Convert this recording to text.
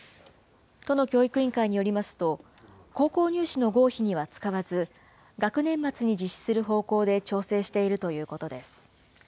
都の教育委員会によりますと、高校入試の合否には使わず、学年末に実施する方向で調整しているということです。